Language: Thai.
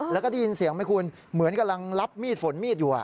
แล้วก็ได้ยินเสียงไหมคุณเหมือนกำลังรับมีดฝนมีดอยู่